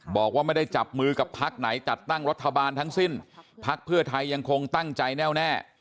บอกว่าไม่ได้จับมือกับพักไหนจัดตั้งรัฐบาลทั้งสิ้นพักเพื่อไทยยังคงตั้งใจแน่วแน่